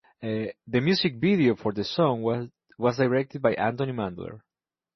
The music video for the song was directed by Anthony Mandler.